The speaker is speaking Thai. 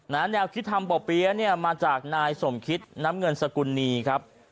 แนวคิดทำบ่อเปี๊ยะเนี่ยมาจากนายสมคิดน้ำเงินสกุลนีครับ